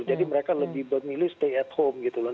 jadi mereka lebih memilih stay at home gitu loh